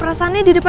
udah kita k glimpse